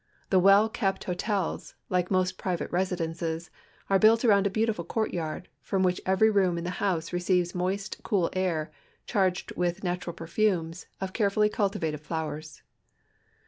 The well kept hotels, like most private residences, are built around a beautiful courtyanl, from wliich every room in the house receives moist, cool air charged with natural perfumes of carefully cultivated flowers.